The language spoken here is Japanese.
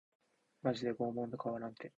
マジで拷問と変わらんて